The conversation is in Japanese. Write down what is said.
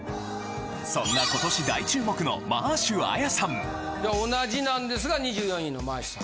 そんな同じなんですが２４位のマーシュさん。